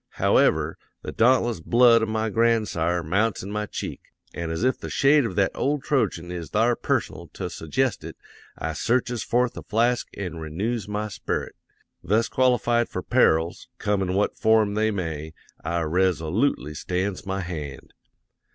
However, the dauntless blood of my grandsire mounts in my cheek; an' as if the shade of that old Trojan is thar personal to su'gest it, I searches forth a flask an' renoos my sperit; thus qualified for perils, come in what form they may, I resolootely stands my hand.